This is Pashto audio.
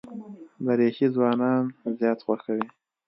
دریشي ځوانان زیات خوښوي.